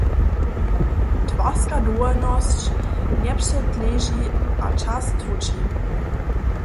Twarska dowolnosć njepředleži a čas tłóči.